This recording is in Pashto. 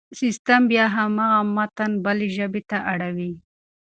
سيستم بيا هماغه متن بلې ژبې ته اړوي.